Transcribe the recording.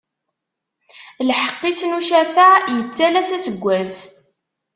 Lḥeqq-is n ucafaɛ ittalas aseggas.